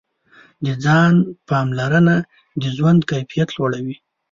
د ځان پاملرنه د ژوند کیفیت لوړوي.